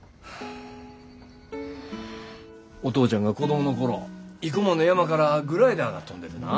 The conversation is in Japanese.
お父ちゃんが子供の頃生駒の山からグライダーが飛んでてな。